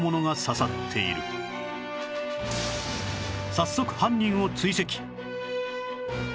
早速犯人を追跡